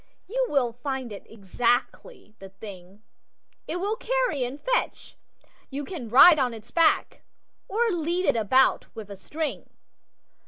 You will find it exactly the thing: It will carry and fetch, you can ride on its back, Or lead it about with a string.